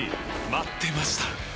待ってました！